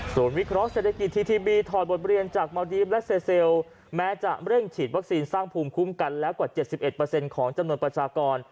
ส่วนวิเคราะห์เศรษฐกิจทีทีบีถอดบทเรียนจากเมาดีฟและเซเซลแม้จะเร่งฉีดวัคซีนสร้างภูมิคุ้มกันแล้วกว่า๗๑ของจำนวนประชากร